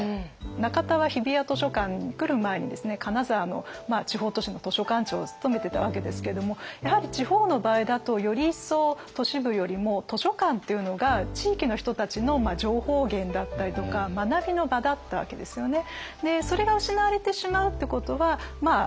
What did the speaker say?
中田は日比谷図書館に来る前にですね金沢の地方都市の図書館長を務めてたわけですけどもやはり地方の場合だとより一層都市部よりも図書館っていうのが地域の人たちの情報源だったりとか学びの場だったわけですよね。